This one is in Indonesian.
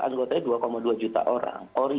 anggotanya dua dua juta orang